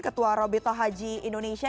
ketua robito haji indonesia